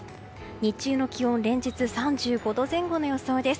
日中の気温連日３５度前後の予想です。